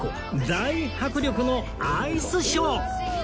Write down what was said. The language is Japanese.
大迫力のアイスショー